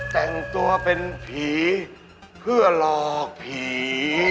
แต่งตัวเป็นผีเพื่อหลอกผี